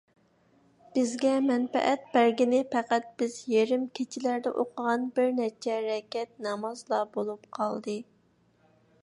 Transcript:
بىزگە مەنپەئەت بەرگىنى پەقەت بىز يېرىم كېچىلەردە ئوقۇغان بىر نەچچە رەكەت نامازلا بولۇپ قالدى.